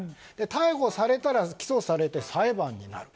逮捕されたら起訴されて裁判になる。